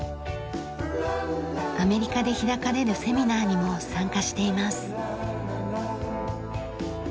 アメリカで開かれるセミナーにも参加しています。